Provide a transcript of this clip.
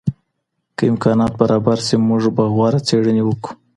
که امکانات برابر سي موږ به غوره څېړني وکړو.